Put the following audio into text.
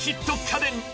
家電